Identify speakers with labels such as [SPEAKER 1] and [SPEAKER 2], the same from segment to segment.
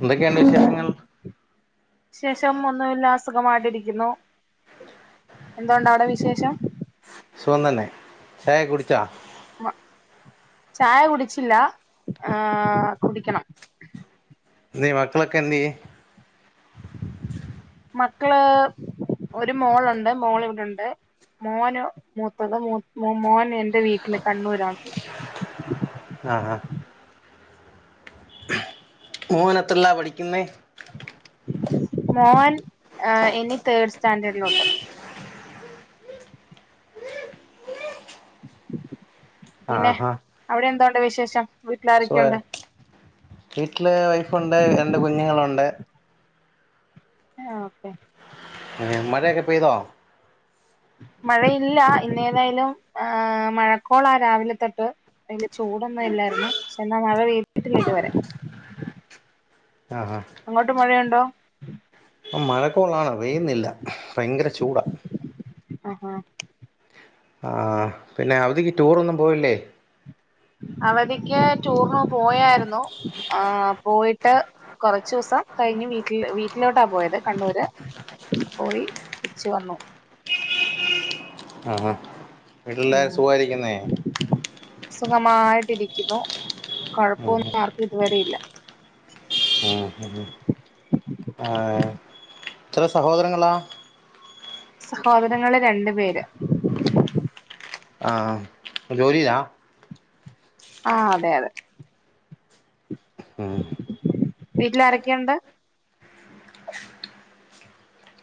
[SPEAKER 1] എന്തൊക്കെയണ്ട് വിശേഷങ്ങൾ
[SPEAKER 2] വിശേഷം ഒന്നുംല്ല അസുഖമായിട്ടിരിക്കുന്നു എന്തുണ്ട അവിടെ വിശേഷം
[SPEAKER 1] സുഖം തന്നെ ചായക്കെ കുടിച്ചാ
[SPEAKER 2] മ ചായ കുടിച്ചില്ല ആഹ് കുടിക്കണം
[SPEAKER 1] ന്ത്യേ മക്കളൊക്കെ എന്തിയെ
[SPEAKER 2] മക്കള് ഒരു മോൾണ്ട് മോൾ ഇവിടുണ്ട് മോന് മൂത്തത് മോന് എന്റെ വീട്ടില് കണ്ണൂരാണുള്ളത്
[SPEAKER 1] ആഹ് ആഹ് മോൻ എത്രയിലാ പഠിക്കുന്നേ
[SPEAKER 2] മോൻ ഇനി തേർഡ് സ്റ്റാഡേർഡിലോട്ട്
[SPEAKER 1] ആഹ്
[SPEAKER 2] പിന്നെ
[SPEAKER 1] ആഹ്
[SPEAKER 2] അവിടെ എന്തണ്ട് വിശേഷം
[SPEAKER 1] സുഖ
[SPEAKER 2] വീട്ടിലാരൊക്കെയുണ്ട്
[SPEAKER 1] വീട്ടില് വൈഫുണ്ട് രണ്ട് കുഞ്ഞുങ്ങളുണ്ട്
[SPEAKER 2] ആഹ് ഓക്കെ
[SPEAKER 1] മഴയാക്കെ പെയ്തോ
[SPEAKER 2] മഴയില്ല ഇന്നേതായാലും ഏഹ് മഴക്കോളാ രാവിലെ തൊട്ട് അതില് ചൂടൊന്നും ഇല്ലായിരുന്നു പക്ഷെ എന്നാ മഴെ പെയ്തിട്ട് ഇല്ല ഇതുവരെ
[SPEAKER 1] ആഹ് ആഹ്
[SPEAKER 2] അങ്ങോട്ട് മഴയുണ്ടോ
[SPEAKER 1] ഉം മഴ കോളാണ് പെയ്യുന്നില്ല ഭയങ്കര ചൂടാ
[SPEAKER 2] ആഹ് ആഹ്
[SPEAKER 1] ആഹ് പിന്നെ അവധിക്ക് ടൂറൊന്നും പോയില്ലേ
[SPEAKER 2] അവധിക്ക് ടൂറിന് പോയായിരുന്നു ആഹ് പോയിട്ട് കൊറച്ചൂസം കഴിഞ്ഞ് വീട്ടില് വീട്ടിലോട്ടാ പോയത് കണ്ണൂര് പോയി തിരിച്ച് വന്നു
[SPEAKER 1] ആഹ് ആഹ് വീട്ടുള്ളാരും
[SPEAKER 2] ഉം
[SPEAKER 1] സുഖായിരിക്കുന്നേ
[SPEAKER 2] സുഖമായിട്ടിരിക്കുന്നു
[SPEAKER 1] ആഹ്
[SPEAKER 2] കൊഴപ്പൊന്നും ആർക്കും ഇതുവരെ ഇല്ല
[SPEAKER 1] ഉം ഉം ആഹ് എത്ര സഹോദരങ്ങളാ
[SPEAKER 2] സഹോദരങ്ങള് രണ്ടു പേര്
[SPEAKER 1] ആഹ് ജോലിയാ
[SPEAKER 2] ആഹ് അതെ അതെ
[SPEAKER 1] ഉം
[SPEAKER 2] വീട്ടില് അരൊക്കെയുണ്ട്.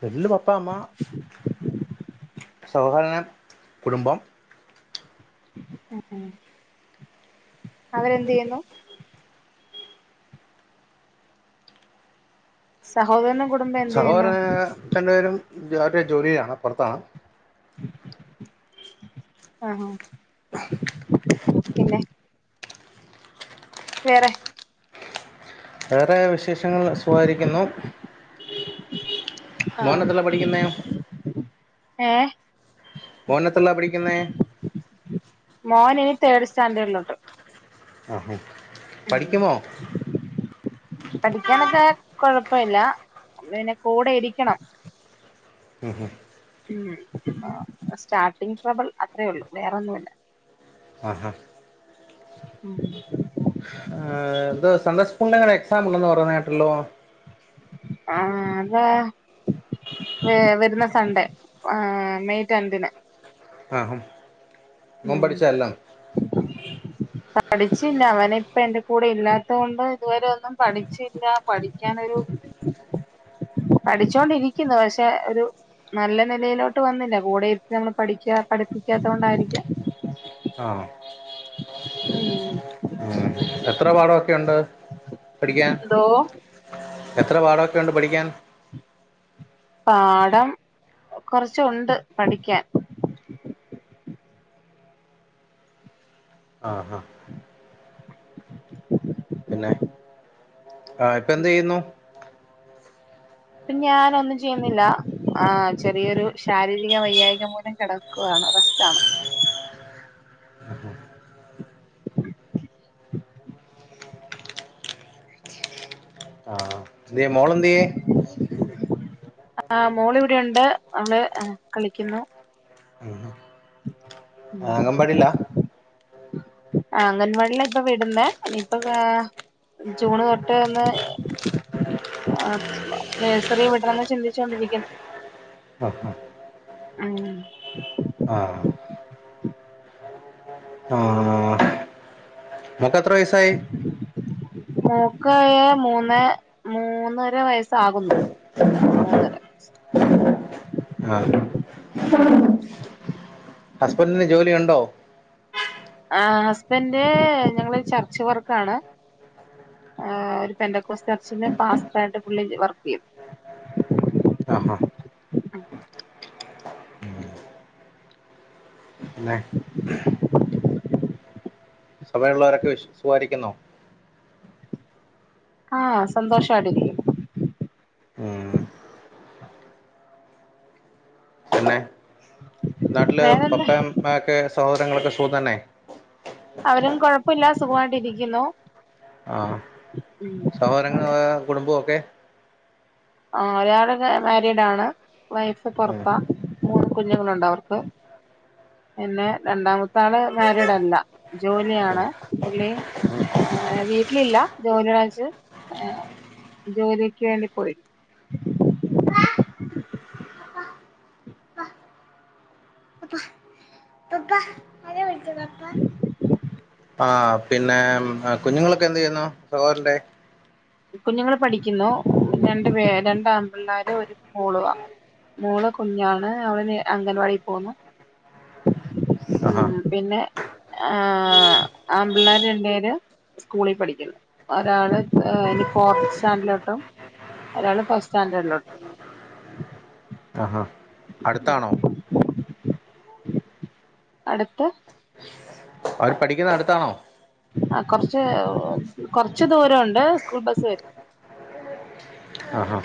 [SPEAKER 1] വീട്ടില് പപ്പാ അമ്മ സഹകരണ കുടുംബം.
[SPEAKER 2] ഉം അവരെന്തിയ്യുന്നു. സഹോദരനും കുടുംബം എന്ത്
[SPEAKER 1] സഹോദര
[SPEAKER 2] ചെയ്യുന്നു
[SPEAKER 1] രണ്ട് പേരും അവരുടെ ജോലിയിലാണ് പൊറത്താണ്.
[SPEAKER 2] ആഹ് വേറെ
[SPEAKER 1] വേറെ വിശേഷങ്ങള് സുഖായിരിക്കുന്നു. മോന് എത്രേലാ പഠിക്കുന്നേ?
[SPEAKER 2] ഏഹ്
[SPEAKER 1] മോന് എത്രേലാ പഠിക്കുന്നേ?
[SPEAKER 2] മോന് തേട് സ്റ്റാൻഡേർഡിലോട്ട്.
[SPEAKER 1] ആഹ് ആഹ്
[SPEAKER 2] ഉം
[SPEAKER 1] പഠിക്കുമോ?
[SPEAKER 2] പഠിക്കാനൊക്കെ കൊഴപ്പല്ല പിന്നെ കൂടെ ഇരിക്കണം.
[SPEAKER 1] ഉഹും
[SPEAKER 2] ഉം അ സ്റ്റാർട്ടിങ് ട്രബിൾ അത്രേ ഉള്ളു വേറൊന്നുല്ല.
[SPEAKER 1] ആഹ് ആഹ്
[SPEAKER 2] ഉം
[SPEAKER 1] ഏഹ് ത് സൺഡേസ്‌കൂളിന് ഇങ്ങനെ എക്സാം ഉണ്ടെന്ന് പറയുന്ന കേട്ടല്ലോ?
[SPEAKER 2] ആഹ് ദാ ഏഹ് വരുന്ന സൺഡേ ആഹ് മെയ് രണ്ടിന്.
[SPEAKER 1] ആഹ്‌ഹും.
[SPEAKER 2] ഉം
[SPEAKER 1] [inaudible]
[SPEAKER 2] പഠിച്ചില്ല അവന് ഇപ്പ എന്റെ കൂടെ ഇല്ലാത്തോണ്ട് ഇതുവരെ ഒന്നും പഠിച്ചില്ല. പഠിക്കാനൊരു
[SPEAKER 1] [inaudible]
[SPEAKER 2] പഠിച്ചോണ്ടിരിക്കുന്നു പക്ഷെ ഒരു നല്ല നെലയിലോട്ട് വന്നില്ല. കൂടെയിരുത്തി നമ്മള് പഠിക്കാ പഠിപ്പിക്കാത്തോണ്ടായിരിക്കാം.
[SPEAKER 1] ആഹ്
[SPEAKER 2] ഉം
[SPEAKER 1] എത്ര പാഠൊക്കെണ്ട് പഠിക്കാൻ
[SPEAKER 2] എന്തോ
[SPEAKER 1] എത്ര പാഠൊക്കെണ്ട് പഠിക്കാൻ.
[SPEAKER 2] പാഠം കൊറച്ചുണ്ട് പഠിക്കാൻ.
[SPEAKER 1] ആഹ് ആഹ് പിന്നെ ആഹ് ഇപ്പൊ എന്തിയ്യുന്നു.
[SPEAKER 2] ഇപ്പ ഞാനൊന്നും ചെയ്യുന്നില്ല ആ ചെറിയൊരു ശാരീരിക വൈകാരിക മൂലം കിടക്കുകയാണ് റെസ്റ്റാണ്.
[SPEAKER 1] എന്തെ മോള് എന്തി
[SPEAKER 2] ആ് മോള് ഇവിടെയുണ്ട് അവൾ കളിക്കുന്നു.
[SPEAKER 1] ഉം അംഗബാടില്ല.
[SPEAKER 2] ആ അംഗൻവാടില ഇപ്പൊ വിടുന്ന ഇനിയിപ്പൊ ജൂൺ തൊട്ട് ഇന്ന് ആ നേഴ്സറി വിടണമന്ന് ചിന്തിച്ചോണ്ടിരിക്കുന്നു.
[SPEAKER 1] ആ ഹാ
[SPEAKER 2] ആ
[SPEAKER 1] ആഹ ആഹ മോൾക് എത്ര വയസായി
[SPEAKER 2] മോൾക് മൂന്ന് മൂന്നര വയസ്സാകുന്നു മൂന്നര വയസ്
[SPEAKER 1] ആഹ ഹസ്ബൻറ്റിന് ജോലി ഉണ്ടോ
[SPEAKER 2] ആ ഹസ്ബൻഡന്റെ ഞങ്ങളരു ചർച്ച് വർക്കാണ് ആ ഒരു പെറക്കോസ് ചർച്ചിന് പാസ്റ്റർ ആയിട്ട് പുള്ളി വർക്ക് ചെയ്യും
[SPEAKER 1] ആ ഹാ
[SPEAKER 2] ചെയ്യുന്നു
[SPEAKER 1] പിന്നെ സമയമുള്ളവരൊക്കെ വി സുഖാരിക്കുന്നുോ
[SPEAKER 2] ആഹ സന്തോഷമായിട്ട് ഇരിക്കുന്നു
[SPEAKER 1] ഉം. പിന്നെ നാട്ടില്
[SPEAKER 2] വേറെന്താ
[SPEAKER 1] പപ്പ അമ്മയൊക്കെ സഹോദരങ്ങളൊക്കെ സുഖ തന്നെ
[SPEAKER 2] അവരും കുഴപ്പല്ല സുഖമായിണ്ടിരിക്കുന്നു
[SPEAKER 1] ആ സഹോദരങ്ങ കുടുംബൊക്കെ
[SPEAKER 2] ആഹ ഒരാള് മാരീഡ് ആണ് വൈഫ്
[SPEAKER 1] ഉം,
[SPEAKER 2] പൊറത്താ മൂന്ന് കുഞ്ഞുങ്ങളുണ്ട് അവർക്ക് പിന്നെ രണ്ടാമത്തെ ആള് മാരീഡ് അല്ല ജോലിയാണ് പുള്ളി
[SPEAKER 1] ഉം.
[SPEAKER 2] ഏ വീട്ടിലില്ല ജോലിച്ച് ആ ജോലിക്ക് വേണ്ടി പോയി
[SPEAKER 1] ആര വിളിച്ചേ
[SPEAKER 2] [inaudible]
[SPEAKER 1] ആ പിന്നെ കുഞ്ഞുങ്ങളൊക്കെ എന്ത് യ്യുന്നു സഹോദരന്റെ
[SPEAKER 2] കുഞ്ഞുങ്ങളൾ പഠിക്കുന്നു രണ്ട് പേ രണ്ടാ ആൺപിള്ളേർ ഒരു മോളുവാ മോള് കുഞ്ഞാണ് അവള് അംഗൻവാടിയിൽ പോകുന്നു
[SPEAKER 1] [inaudible]
[SPEAKER 2] ഉം പിന്നെ ആ ആൺപിളര്രണ്ട പേരു് സ്കൂളിൽ പഠിക്കുന്നു ഒരാള് ഒരാൾ ഫോർത്ത് സ്റ്റാൻഡർഡിലോട്ടും ഒരാള് ഫസ്റ്റ് സ്റ്റാൻഡേർഡിലോട്ടും
[SPEAKER 1] ആഹാ അടുത്താണോ
[SPEAKER 2] അടുത്ത്
[SPEAKER 1] അവര് പഠിക്കുന്ന അടുത്താണോ
[SPEAKER 2] ആ കുറച്ച് കൊറച്ച് ദൂരം ഉണ്ട് സ്കൂൾ ബസ് വരും
[SPEAKER 1] ആഹാ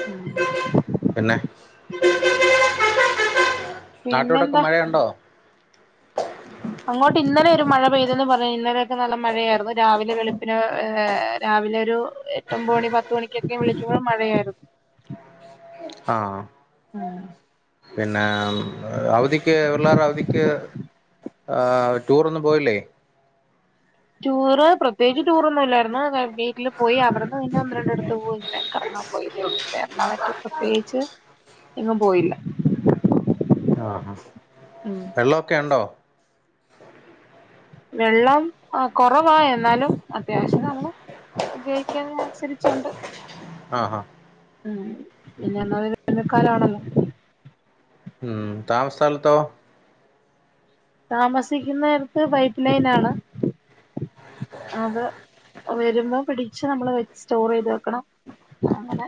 [SPEAKER 2] ഉം
[SPEAKER 1] പിന്നെ നാട്ടിലോട്ടാക്കെ
[SPEAKER 2] പിന്നെന്താ
[SPEAKER 1] മഴയുണ്ടോ
[SPEAKER 2] അങ്ങോട്ട് ഇന്നലെ ഒരു മഴ പെയ്തെന്ന് പറഞ്ഞ ഇന്നലെയൊക്കെ നല്ല മഴയായിരുന്നു രാവിലെ വെളുപ്പിന് രാവിലെ ഒരു എട്ടൊമ്പത് മണി പത്ത മണിക്കൊക്കെ വിളിക്കുമ്പോൾ മഴയായിരുന്നു
[SPEAKER 1] ആഹ
[SPEAKER 2] ആ
[SPEAKER 1] പിന്നെ അവധിക്ക് പിള്ളേർ അവധിക്ക് അഹ് ടൂറന്നും പോയില്ലേ
[SPEAKER 2] ടൂറ് പ്രത്യേകിച്ച് ടൂറൊന്നും ഇല്ലായിരുന്നു വീട്ടില് പോയി അവിടെന്ന് പിന്നെ ഒന്ന് രണ്ട് അടുത്ത് പോ ഇങ്ങനെ കറങ്ങാൻ പോയി എന്നാ മറ്റു പ്രത്യേകിച്ച് എങ്ങും പോയില്ല
[SPEAKER 1] അഹ്
[SPEAKER 2] ഉം
[SPEAKER 1] വെള്ളക്കെയുണ്ടോ?
[SPEAKER 2] വെള്ളം അഹ് കുറവ എന്നാലും അത്യാവശ്യം നമ്മള് ഗയിക്കനെഅനുസരിച്ചുണ്ട് അപ്പുറത്
[SPEAKER 1] ആഹ
[SPEAKER 2] ഉം പിന്നെ [unintelligible]
[SPEAKER 1] ഹ്മ്മ് താമസ്ഥലത്തോ
[SPEAKER 2] താമസിക്കുന്നടുത്ത് പൈപ്പ് ലൈൻ ആണ് അത് വരുമ്പോ പിടിച്ച് നമ്മള് സ്റ്റോർ ചെയ്ത് വെക്കണം ആങ്ങനെ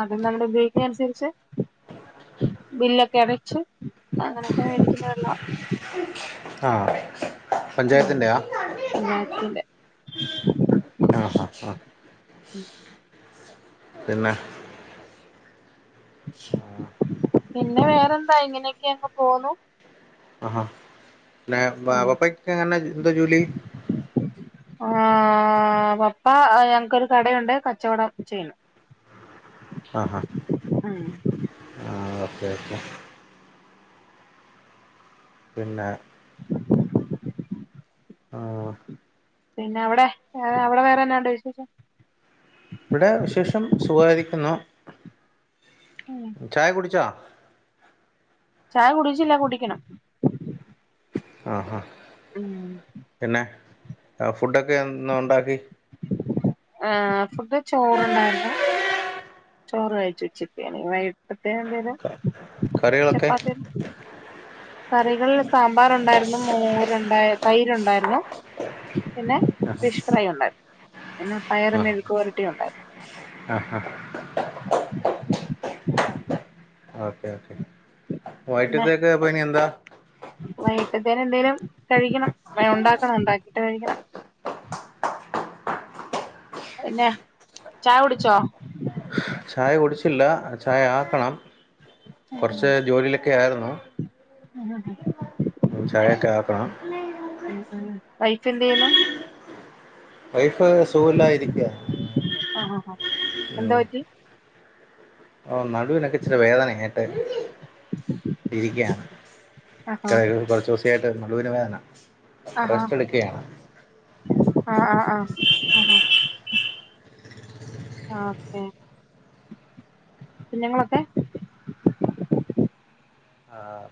[SPEAKER 2] അത് നമ്മുടെ ഉപയോഗിക്കുന്നെ അനുസരിച്ച് ബില്ലൊക്കെ അടച്ച് അങ്ങനെയൊക്കെ മേടിക്കുന്നെ വെള്ളോ
[SPEAKER 1] അഹ്
[SPEAKER 2] ഉം പഞ്ചായത്തിന്റെ
[SPEAKER 1] ആഹ ആ
[SPEAKER 2] ഉം
[SPEAKER 1] പിന്നെ
[SPEAKER 2] പിന്നെ വേറെന്താ ഇങ്ങനെയൊക്കെ അങ്ങ് പോന്നു
[SPEAKER 1] ആഹാ പിന്നെ പപ്പക്കങ്ങനെ എന്താ ജോലി
[SPEAKER 2] അഹ് പപ്പ ഞങ്ങക്കൊരു കടയുണ്ട് കച്ചവടം ചെയ്യുന്നു
[SPEAKER 1] ആഹാ
[SPEAKER 2] അഹ്
[SPEAKER 1] [inaudible] പിന്നെ
[SPEAKER 2] [inaudible]
[SPEAKER 1] അഹ്
[SPEAKER 2] പിന്നെ അവിടെ അവിടെ വേറെന്നണ്ടെ വിശേഷം
[SPEAKER 1] ഇവിടെ വിശേഷം സുഖായിരിക്കുന്നു.
[SPEAKER 2] ഉം
[SPEAKER 1] ചായ കുടിച്ചാ
[SPEAKER 2] ചായ കുടിച്ചില്ല കുടിക്കണം
[SPEAKER 1] ആഹാ
[SPEAKER 2] ഉം
[SPEAKER 1] പിന്നെ ഫുഡൊക്കെ എന്ന ഉണ്ടാക്കി
[SPEAKER 2] ആഹ് ഫുഡ് ചോറുണ്ടായിരുന്നു ചോറ് കഴിച്ചു ഉച്ചക്ക് എനി വൈടത്തെ എന്തലു
[SPEAKER 1] കറികളൊക്കെ
[SPEAKER 2] ചപ്പാത്തി കറികളിൽ സാമ്പാറ ഉണ്ടായിരുന്നു മോരുണ്ടായി തൈര്ണ്ടായിരുന്നു പിന്നെ
[SPEAKER 1] ആഹ്
[SPEAKER 2] ഫിഷ് ഫ്രൈ ഉണ്ടായിരുന്നു പിന്നെ പയറ് മെഴുക്ക് വരട്ടിയ ഉണ്ടായിരുന്നു
[SPEAKER 1] ആഹ
[SPEAKER 2] [inaudible]
[SPEAKER 1] ഓക്കേ ഓക്കെ വൈറ്റത്തേക്ക് ഇപ്പോ ഇനി എന്താ
[SPEAKER 2] വൈകിട്ടിൽത്തേ എന്തെലും കഴിക്കണം ഉണ്ടാക്കണം ഉണ്ടാക്കിട്ട് കഴിക്കണം പിന്നെ ചായ കുടിച്ചോ
[SPEAKER 1] ചായ കുടിച്ചില്ല ചായ ആക്കണം കുറച്ച് ജോലിയിലൊക്കെ ആയിരുന്നു
[SPEAKER 2] ആഹ
[SPEAKER 1] ചായകെ ആക്കണം
[SPEAKER 2] ഉം ഉം വൈഫ് എന്തെയുന്നൂ
[SPEAKER 1] വൈഫ് സൂഖുല്ല ഇരിക്ക
[SPEAKER 2] ആഹഹാ എന്താ പറ്റി?
[SPEAKER 1] ഓ നടുവിനൊക്കെ ഇച്ചിരി വേദനങ്ങിട്ട് ഇരിക്കാണ്
[SPEAKER 2] ആഹാ
[SPEAKER 1] [unintelligible] കൊറച്ചൂസായിട്ട് നടുവിന് വേദന
[SPEAKER 2] അഹാ
[SPEAKER 1] റെസ്റ്റ് എടുക്കുകയാണ്
[SPEAKER 2] ആആആ അഹാ ആ ഓക്കെ കുഞ്ഞ്ങ്ങളൊക്കെ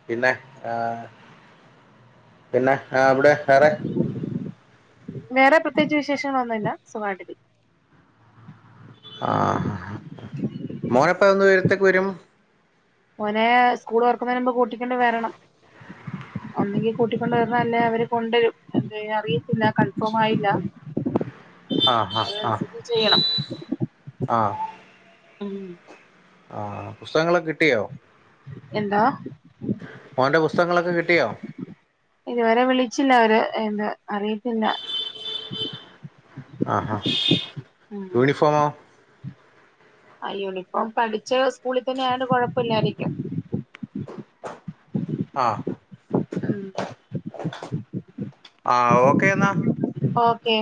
[SPEAKER 1] പിന്നെ ആ പിന്നെ ആ വിടെ വേറെ
[SPEAKER 2] വേറെ പ്രത്യേകിച്ച് വിശേഷങ്ങളൊന്നുല്ല സുഖായിട്ട് ഇരി
[SPEAKER 1] ആ മോന്പ്പൊ ഒന്ന് യരത്തേക്ക് വരും
[SPEAKER 2] മോനെ സ്കൂള് ഒർക്കുന്നതിന് മുമ്പ് കൂട്ടിക്കൊണ്ട് വരണം ഒന്നെങ്കി കൂട്ടിക്കൊണ്ട് വരണം അല്ലേ അവര് കൊണ്ടരും എന്തെ അറിയത്തില്ല കൺഫേം ആയില്ല
[SPEAKER 1] [inaudible] ആ ആ
[SPEAKER 2] അതനുസരിച്ച് ചെയ്യണം
[SPEAKER 1] ആ
[SPEAKER 2] മ്മ്
[SPEAKER 1] ആ പുസ്തകങ്ങളൊക്കെ കിട്ടിയോ?
[SPEAKER 2] എന്താ
[SPEAKER 1] മോൻ്റെ പുസ്തകങ്ങളൊക്കെ കിട്ടിയോ
[SPEAKER 2] ഇതുവരെ വിളിച്ചില്ല അവര് എന്ത് അറിയത്തില്ല
[SPEAKER 1] ആ ഹാ യൂണിഫോമോ?
[SPEAKER 2] ആ യൂണിഫോം പഠിച്ചെ സ്കൂളിൽ തന്നെ ആയോണ്ട് കോഴപ്പല്ലായിരിക്കും
[SPEAKER 1] ആ ആ ഓക്കെ എന്നാ
[SPEAKER 2] ഓക്കെ